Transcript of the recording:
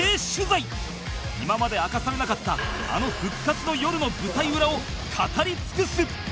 今まで明かされなかったあの復活の夜の舞台裏を語り尽くす！